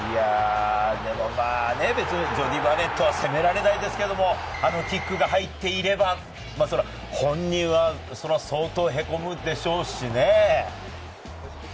ジョーディー・バレットは責められないですけれどあのキックが入っていれば、本人は相当へこむでしょうしね。